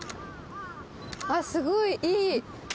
あっすごいいい。